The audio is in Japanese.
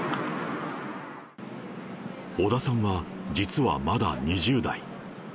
小田さんは、実はまだ２０代。